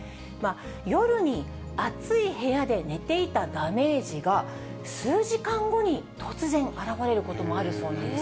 夜に暑い部屋で寝ていたダメージが、数時間後に突然現れることもあるそうなんです。